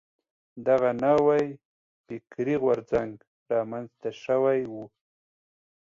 دغه نوی فکري غورځنګ را منځته شوی و.